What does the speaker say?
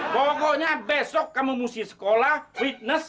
pokoknya besok kamu mesti sekolah fitness